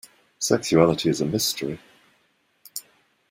Sexuality is a mystery.